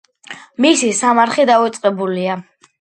მისი სამარხი დავიწყებულია.